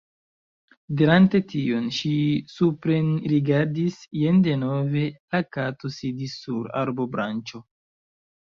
Dirante tion, ŝi suprenrigardis. Jen denove la Kato sidis sur arbobranĉo.